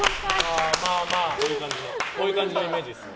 こういう感じのイメージです。